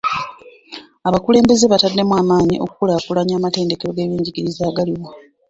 Abakulembeze bataddemu amaanyi okukulaakulanya amatendekero g'ebyenjigiriza agaliwo.